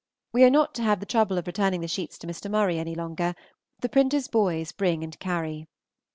We are not to have the trouble of returning the sheets to Mr. Murray any longer; the printer's boys bring and carry.